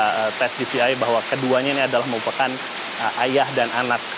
kita tes di vi bahwa keduanya ini adalah mengupakan ayah dan anak